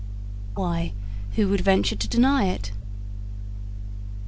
'Why, who would venture to deny it?'